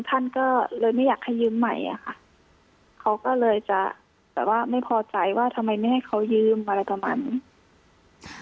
ท่านก็เลยไม่อยากให้ยืมใหม่อ่ะค่ะเขาก็เลยจะแบบว่าไม่พอใจว่าทำไมไม่ให้เขายืมอะไรประมาณนี้